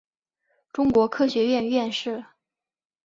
中国科学院院士。